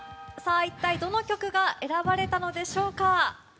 一体どの曲が選ばれたのでしょうか。